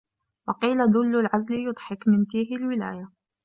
وَقِيلَ ذُلُّ الْعَزْلِ يُضْحِكُ مِنْ تِيهِ الْوِلَايَةِ